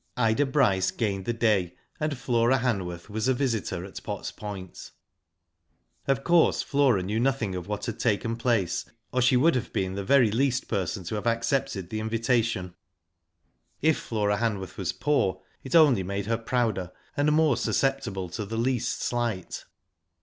Ida Bryce gained the day, and Flora Hanworth was a visitor at Potts Point. Of course, Flora knew nothing of what had taken place, or she would have been the very last person to have accepted the invitation. If Flora Hanworth was poor, it only made her prouder, and more susceptible to the least slight.